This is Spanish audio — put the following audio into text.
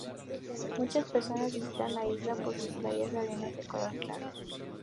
Muchas personas visitan la isla por su playas de arena de color claro.